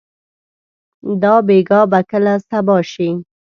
دا بېګا به کله صبا شي؟